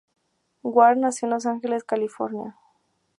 Ward nació en Los Ángeles, California.